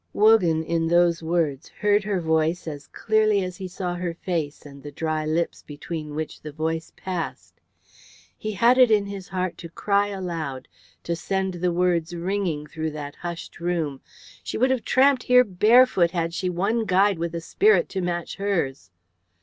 '" Wogan in those words heard her voice as clearly as he saw her face and the dry lips between which the voice passed. He had it in his heart to cry aloud, to send the words ringing through that hushed room, "She would have tramped here barefoot had she had one guide with a spirit to match hers."